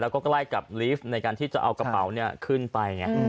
แล้วก็ใกล้กับลิฟต์ในการที่จะเอากระเป๋าขึ้นไปไง